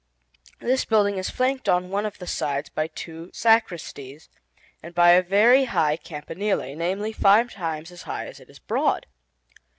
This building is flanked on one of the sides by two sacristies, and by a very high campanile, namely, five times as high as it is broad.